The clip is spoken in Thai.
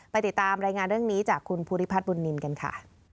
ติดตามรายงานเรื่องนี้จากคุณภูริพัฒน์บุญนินกันค่ะ